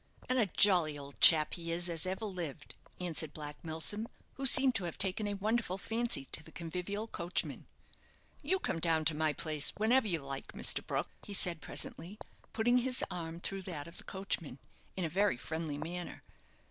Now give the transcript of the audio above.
"And a jolly old chap he is as ever lived," answered Black Milsom, who seemed to have taken a wonderful fancy to the convivial coachman. "You come down to my place whenever you like, Mr. Brook," he said, presently, putting his arm through that of the coachman, in a very friendly manner.